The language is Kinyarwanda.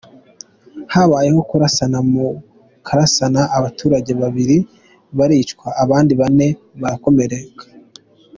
Habayeho kurasana, mu kurasana abaturage babiri baricwa abandi bane barakomereka.